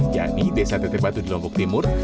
yakni desa teteh batu di lombok timur